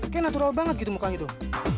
kayaknya natural banget gitu mukanya tuh